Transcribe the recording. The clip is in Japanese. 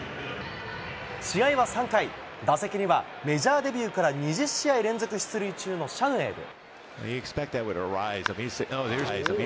試合は３回、打席には、メジャーデビューから２０試合連続出塁中のシャヌエル。